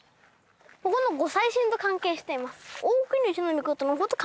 ここの御祭神と関係しています。